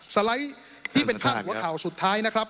สไลด์ที่เป็นพาดหัวข่าวสุดท้ายนะครับ